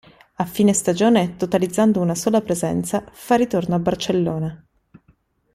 A fine stagione, totalizzando una sola presenza, fa ritorno a Barcellona.